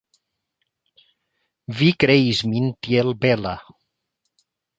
Vi kreis min tiel bela!